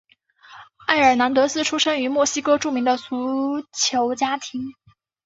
埃尔南德斯出生于墨西哥著名的足球家庭。